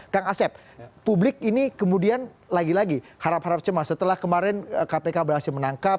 kang asep publik ini kemudian lagi lagi harap harap cemas setelah kemarin kpk berhasil menangkap